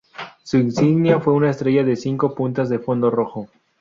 Su insignia fue una estrella de cinco puntas en fondo rojo.